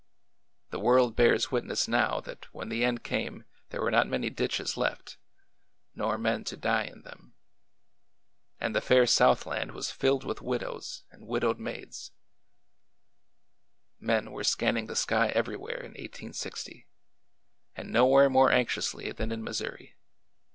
The world bears witness now that when the end came there were not many ditches left — nor men to die in them. And the fair Southland was filled with widows and widowed maids 1 Men were scanning the sky everywhere in i860, and nowhere more anxiously than in Missouri.